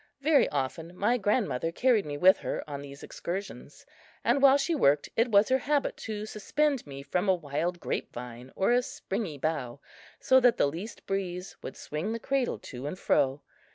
Very often my grandmother carried me with her on these excursions; and while she worked it was her habit to suspend me from a wild grape vine or a springy bough, so that the least breeze would swing the cradle to and fro.